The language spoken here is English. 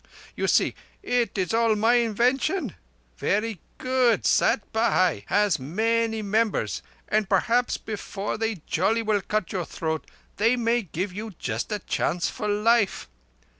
You see, it is all my invention. Verree good. Sat Bhai has many members, and perhaps before they jolly well cut your throat they may give you just a chance of life.